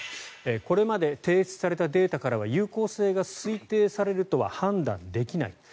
これまで提出されたデータからは有効性が推定されるとは判断できない。